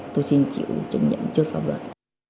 tôi xin chịu trung nhiệm trước pháp luật